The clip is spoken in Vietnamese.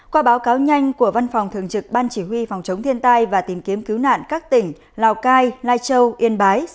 qua báo cáo nhanh của văn phòng thường trực ban chỉ huy phòng chống thiên tai và tìm kiếm cứu nạn các tỉnh lào cai lai châu yên bái